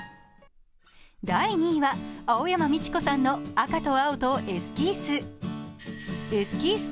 第２位は青山美智子さんの「赤と青とエスキース」。